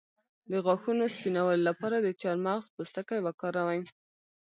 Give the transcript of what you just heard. د غاښونو سپینولو لپاره د چارمغز پوستکی وکاروئ